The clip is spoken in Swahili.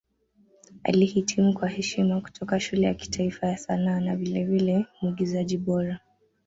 Alihitimu kwa heshima kutoka Shule ya Kitaifa ya Sanaa na vilevile Mwigizaji Bora.